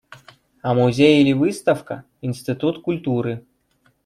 А музей или выставка – институт культуры.